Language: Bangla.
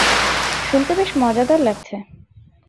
শুনতে বেশ মজাদার লাগছে।